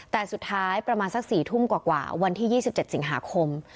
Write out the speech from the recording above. แต่สุดท้ายประมาณสัก๔ทุ่มกว่าวันที่๒๗สิงหาคม